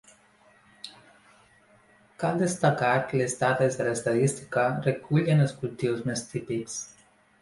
Cal destacar que les dades de l’estadística recullen els cultius més típics.